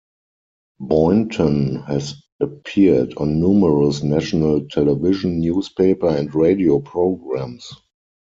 Boynton has appeared on numerous national television, newspaper and radio programs.